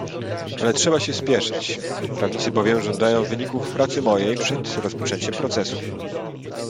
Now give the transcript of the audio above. "Ale trzeba się spieszyć, prawnicy bowiem żądają wyników pracy mojej przed rozpoczęciem procesu."